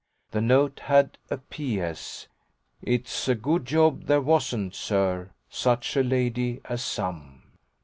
The note had a P.S.: "It's a good job there wasn't, sir, such a lady as some."